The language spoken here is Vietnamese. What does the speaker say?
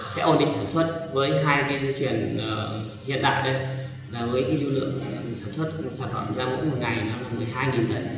sẽ ổn định sản xuất với hai cái dự truyền hiện đại đây là với cái lưu lượng sản xuất sản phẩm ra mỗi một ngày là một mươi hai tấn